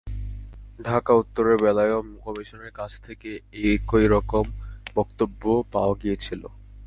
ঢাকা উত্তরের বেলায়ও কমিশনের কাছ থেকে একই রকমের বক্তব্য পাওয়া গিয়েছিল।